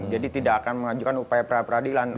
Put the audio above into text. jadi tidak akan mengajukan upaya peradilan